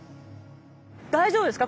大丈夫ですか？